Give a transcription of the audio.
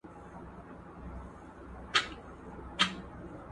o کږه غاړه توره هم نسي وهلاى!